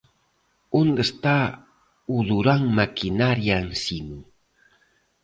Onde está o Durán Maquinaria Ensino.